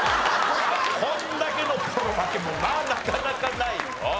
こんだけのボロ負けもまあなかなかないよ。